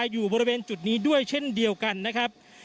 อยู่บริเวณจุดนี้ด้วยเช่นเดียวกันนะครับ